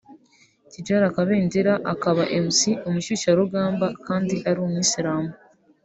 Tidjara Kabendera akaba Mc(umushyushyarugamba)kandi ari umusilamu